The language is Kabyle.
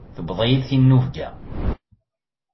Tewweḍ-iyi-d tinubga.